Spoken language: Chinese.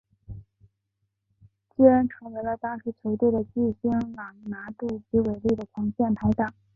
基恩成为了当时球队的巨星朗拿度及韦利的前线拍挡。